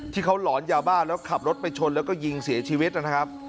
หลอนยาบ้าแล้วขับรถไปชนแล้วก็ยิงเสียชีวิตนะครับ